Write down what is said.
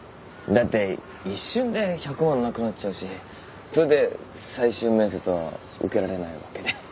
だって一瞬で１００万なくなっちゃうしそれで最終面接は受けられないわけで。